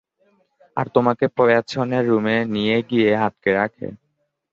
আর তোমাকে পেছনের রুমে নিয়ে গিয়ে আটকে রাখে?